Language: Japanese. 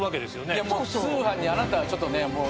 いやもう通販にあなたはちょっとねもう。